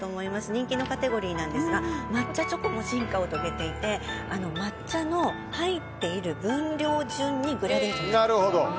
人気のカテゴリーなんですが抹茶チョコも進化を遂げていて抹茶の入っている分量順にグラデーションなんです。